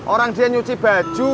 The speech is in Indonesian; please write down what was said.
orang dia nyuci baju